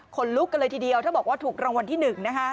ลุกกันเลยทีเดียวถ้าบอกว่าถูกรางวัลที่๑นะคะ